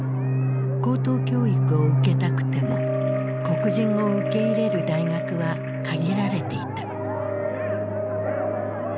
高等教育を受けたくても黒人を受け入れる大学は限られていた。